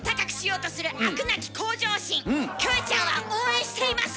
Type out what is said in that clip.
キョエちゃんは応援しています！